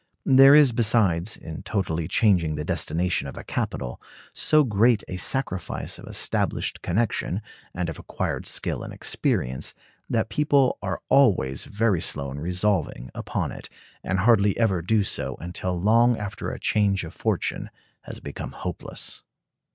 There is besides, in totally changing the destination of a capital, so great a sacrifice of established connection, and of acquired skill and experience, that people are always very slow in resolving upon it, and hardly ever do so until long after a change of fortune has become hopeless.